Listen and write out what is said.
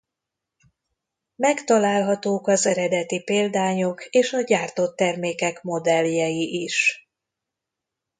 Megtalálhatók az eredeti példányok és a gyártott termékek modelljei is.